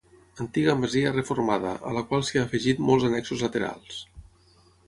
Antiga masia reformada, a la qual s'hi ha afegit molts annexos laterals.